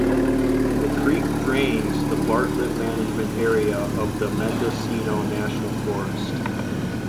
The creek drains the Bartlett Management Area of the Mendocino National Forest.